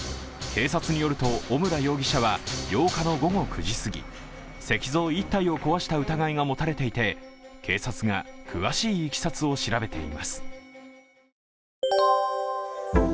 警察によると、小村容疑者は８日の午後９時すぎ石像１体を壊した疑いが持たれていて警察が詳しいいきさつを調べています。